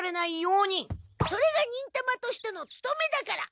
それが忍たまとしてのつとめだから。